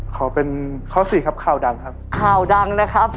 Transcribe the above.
ขอเป็นข้อ๔ครับข่าวดังครับ